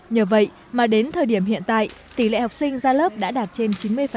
nhờ vậy mà đến thời điểm hiện tại tỷ lệ học sinh ra lớp đã đạt trên chín mươi